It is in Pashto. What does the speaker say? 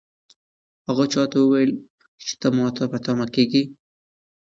هغه چا ته وویل چې ماته مه په تمه کېږئ.